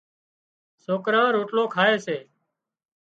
سوڪران روٽلو کائي سي